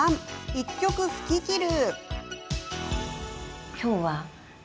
１曲吹ききる。